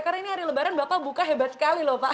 karena ini hari lebaran bapak buka hebat sekali loh pak